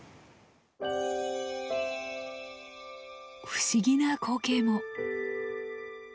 不思議な光景も。